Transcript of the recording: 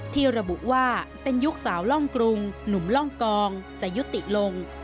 ที่ระบุว่าเป็นยุคสาวล่องกรุงหนุ่มล่องกองจะยุติลง